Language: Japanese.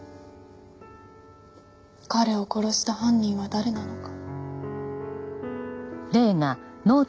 彼を殺した犯人は誰なのか？